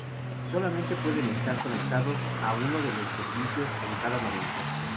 Solamente pueden estar conectados a uno de los dos servicios en cada momento.